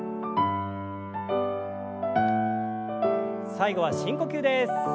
最後は深呼吸です。